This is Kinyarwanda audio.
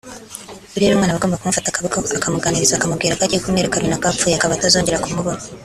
urera umwana aba agomba kumufata akaboko akagenda amuganiriza akamubwira ko agiye kumwereka runaka wapfuye akaba atazongera kumubona